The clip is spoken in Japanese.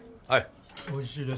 はい。